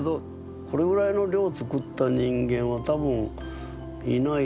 これぐらいの量作った人間は多分いない。